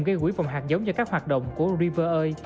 gây quỹ phòng hạt giống cho các hoạt động của river oil